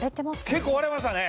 結構割れましたね。